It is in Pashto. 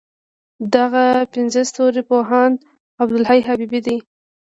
دغه پنځه ستوري پوهاند عبدالحی حبیبي دی.